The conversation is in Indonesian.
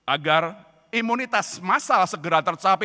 agar imunitas masal segera tercapai